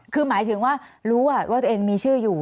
คือหมายถึงว่ารู้ว่าตัวเองมีชื่ออยู่